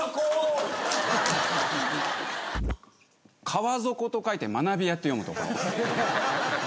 川底と書いて「まなびや」って読むところ。